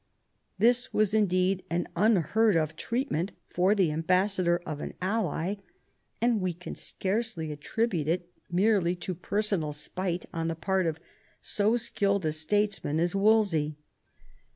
This was indeed an unheard of treatment for the am bassador of an ally, and we can scarcely attribute it merely to personal spite on the part of so skilled a statesman as Wolsey.